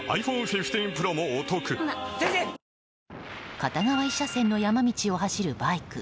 片側１車線の山道を走るバイク。